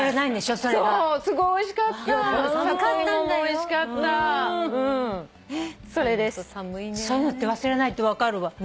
そういうのって忘れないって分かるわ。